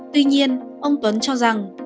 tuy nhiên ông tuấn cho rằng